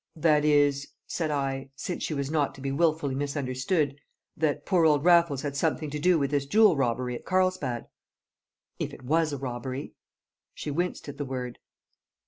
"That is," said I, since she was not to be wilfully misunderstood, "that poor old Raffles had something to do with this jewel robbery at Carlsbad?" "If it was a robbery." She winced at the word.